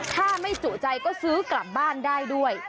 ถ้าไม่จุใจก็ซื้อกลับบ้านได้ด้วย